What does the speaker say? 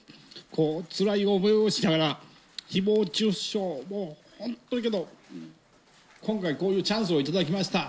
つらい思いをしながら、ひぼう中傷もあったけど、今回こういうチャンスを頂きました。